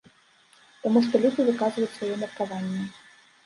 Таму што людзі выказваюць сваё меркаванне.